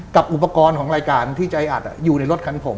กับอุปกรณ์ของรายการที่ใจอัดอยู่ในรถคันผม